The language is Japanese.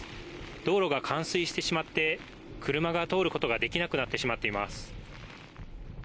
道路が冠水してしまって車が通ることができなくなってしまっています。